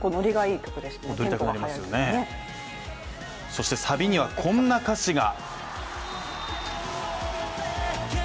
そしてサビには、こんな歌詞が。